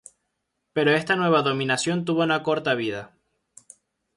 Pero esta nueva dominación tuvo una corta vida.